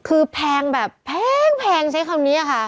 คือแพงแบบแพงใช้คำนี้ค่ะ